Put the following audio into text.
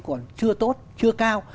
còn chưa tốt chưa cao